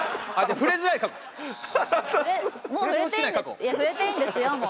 触れていいんですよもう。